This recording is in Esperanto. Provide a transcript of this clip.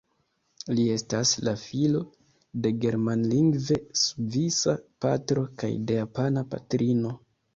Li estas la filo de germanlingve svisa patro kaj de japana patrino.